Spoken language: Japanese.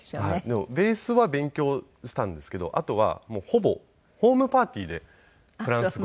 でもベースは勉強したんですけどあとはほぼホームパーティーでフランス語を覚えました。